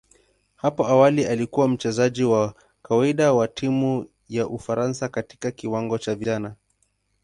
Hapo awali alikuwa mchezaji wa kawaida wa timu ya Ufaransa katika kiwango cha vijana.